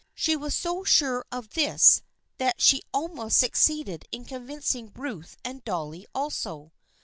She was so sure of this that she almost succeeded in convincing Ruth and Dolly also.